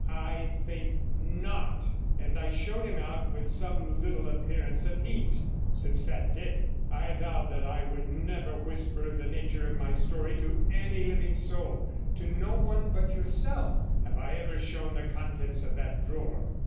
I think not"; and I showed him out with some little appearance of heat. Since that day I vowed that I would never whisper the nature of my theory to any living soul; to no one but yourself have I ever shown the contents of that drawer.